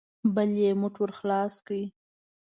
بل يې موټ ور خلاص کړ.